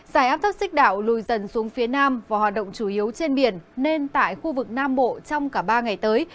giải áp thấp xích đảo lùi dần xuống phía nam và hoạt động chủ yếu trên biển nên tại khu vực nam bộ trong cả ba ngày tới